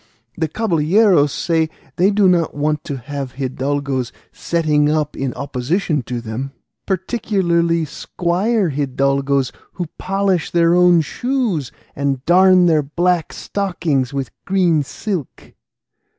The caballeros say they do not want to have hidalgos setting up in opposition to them, particularly squire hidalgos who polish their own shoes and darn their black stockings with green silk."